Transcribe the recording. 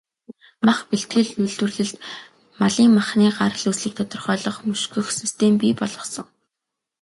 Мах бэлтгэл, үйлдвэрлэлд малын махны гарал үүслийг тодорхойлох, мөшгөх систем бий болгосон.